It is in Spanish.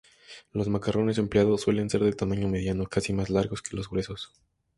Los macarrones empleados suelen ser de tamaño mediano, casi más largos que gruesos.